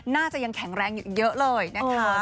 น่าจะยังแข็งแรงอยู่เยอะเลยนะคะ